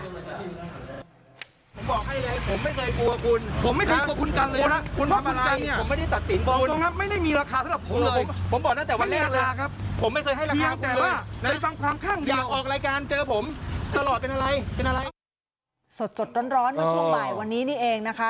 สดร้อนเมื่อช่วงบ่ายวันนี้นี่เองนะคะ